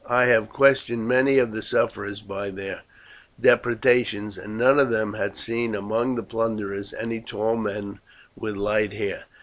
I have questioned many of the sufferers by their depredations, and none of them had seen among the plunderers any tall men with light hair.